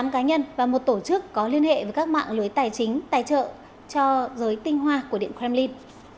tám cá nhân và một tổ chức có liên hệ với các mạng lưới tài chính tài trợ cho giới tinh hoa của điện kremlin